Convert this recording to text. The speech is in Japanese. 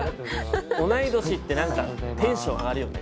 同い年ってテンション上がるよね